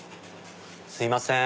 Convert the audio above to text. すいません